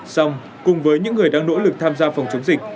xong cùng với những người đang nỗ lực tham gia phòng chống dịch